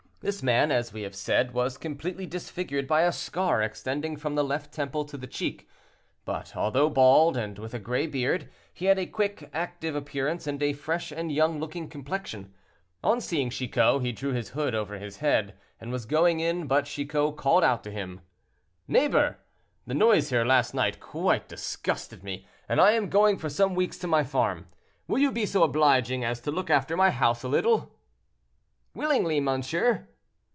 This man, as we have said, was completely disfigured by a scar extending from the left temple to the cheek; but although bald and with a gray beard, he had a quick, active appearance, and a fresh and young looking complexion. On seeing Chicot, he drew his hood over his head, and was going in, but Chicot called out to him: "Neighbor! the noise here last night quite disgusted me, and I am going for some weeks to my farm; will you be so obliging as to look after my house a little?" "Willingly, monsieur."